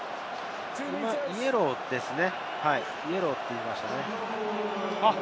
あっ、イエローですね。